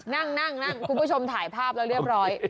นั่งนั่งคุณผู้ชมถ่ายภาพแล้วเรียบร้อย